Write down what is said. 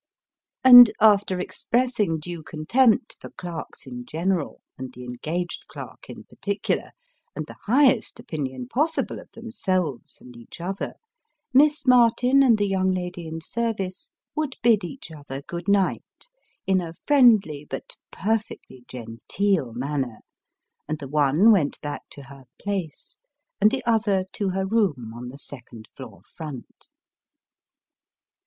And, after expressing due contempt for clerks in general, and the engaged clerk in particular, and the highest opinion possible of themselves and each other, Miss Martin and the young lady in service would bid each other good night, in a friendly but perfectly genteel manner : and the one went back to her " place " and the other, to her room on the second floor front.